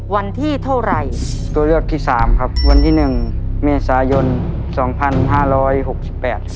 วันที่เท่าไหร่ตัวเลือกที่สามครับวันที่หนึ่งเมษายนสองพันห้าร้อยหกสิบแปด